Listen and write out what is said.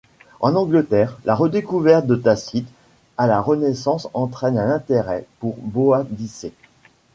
En Angleterre, la redécouverte de Tacite à la Renaissance entraîne un intérêt pour Boadicée.